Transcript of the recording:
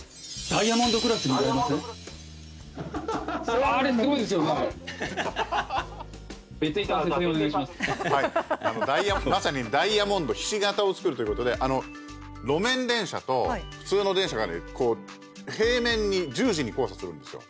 ダイヤモンド、まさにダイヤモンド、ひし形を作るってことで路面電車と普通の電車が平面に十字に交差するんですよ。